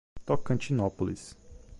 Tocantinópolis